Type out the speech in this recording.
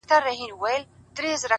هره ورځ د نوې کیسې پیل دی.!